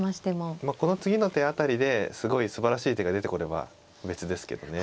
まあこの次の手辺りですごいすばらしい手が出てくれば別ですけどね。